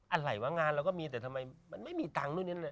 อะไรวะงานเราก็มีแต่ทำไมมันไม่มีตังค์